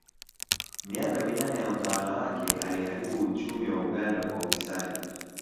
Miaka minane ya utawala wake aliharibu uchumi wa Uganda kwa ufisadi